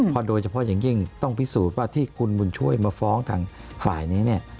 เพราะโดยเฉพาะอย่างยิ่งต้องพิสูจน์ว่าที่คุณบุญช่วยมาฟ้องทางฝ่ายนี้เนี่ย